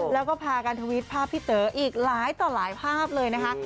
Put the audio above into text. แล้วก็พากันทวิตภาพพี่เต๋ออีกหลายต่อหลายภาพเลยนะคะ